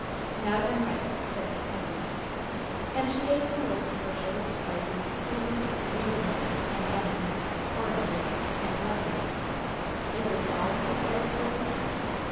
"Now, then, write," said Miss Sibby. And she gave him a list for sugar, spices, candies, "reesins" and "ammuns," "orringes" and "lemmuns." "Is this all ?" inquired Eoland.